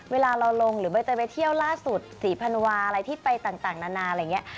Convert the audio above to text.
เวลาเราลงหรือใบเตยไปเที่ยวล่าสุดศรีพันวาอะไรที่ไปต่างนานาอะไรอย่างนี้